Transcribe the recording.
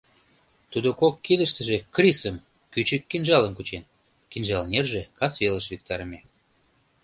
Тудо кок кидыштыже крисым — кӱчык кинжалым кучен, кинжал нерже касвелыш виктарыме.